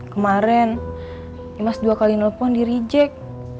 kemaren imas dua kali nelfon dirijek